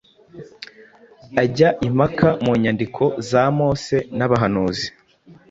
ajya impaka mu nyandiko za Mose n’abahanuzi,